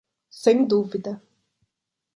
Sem dúvida.